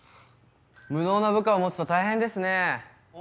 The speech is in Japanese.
・無能な部下を持つと大変ですね・あ？